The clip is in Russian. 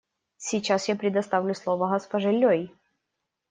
Сейчас я предоставляю слово госпоже Лёй.